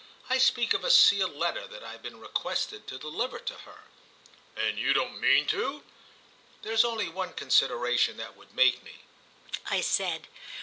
I speak of a sealed letter that I've been requested to deliver to her." "And you don't mean to?" "There's only one consideration that would make me," I said.